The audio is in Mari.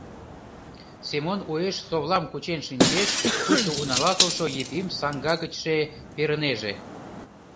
— Семон уэш совлам кучен шинчеш, пуйто унала толшо Епим саҥга гычше перынеже.